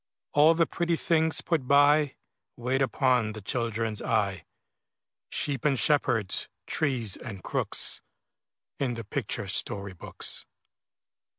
All the pretty things put by, Wait upon the children's eye, Sheep and shepherds, trees and crooks, In the picture story books.